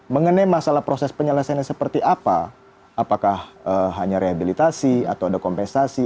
mengenai masalah proses penyelesaiannya seperti apa apakah hanya rehabilitasi atau ada kompensasi